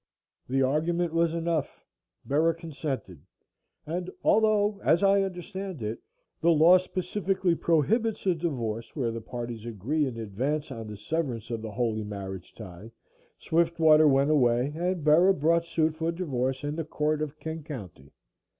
The argument was enough. Bera consented, and although, as I understand it, the law specifically prohibits a divorce where the parties agree in advance on the severance of the holy marriage tie, Swiftwater went away and Bera brought suit for divorce in the court of King County.